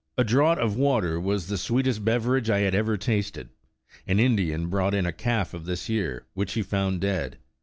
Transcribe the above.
A draught of water was the sweetest beverage I had ever tasted. An Indian brought in a calf of this year, which he found dead.